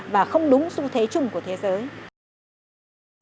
và không đúng xu thế chung của thế giới